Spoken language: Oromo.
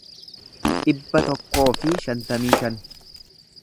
dhibba tokkoo fi shantamii shan